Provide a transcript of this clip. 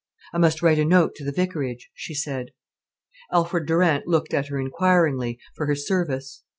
"I must write a note to the vicarage," she said. Alfred Durant looked at her inquiringly, for her service.